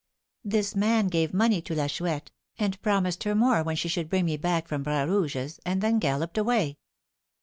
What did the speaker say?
"This man gave money to La Chouette, and promised her more when she should bring me from Bras Rouge's, and then galloped away.